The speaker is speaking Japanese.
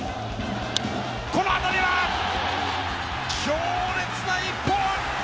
この当たりは強烈な一本！